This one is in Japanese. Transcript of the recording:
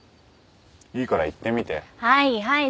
はいはい。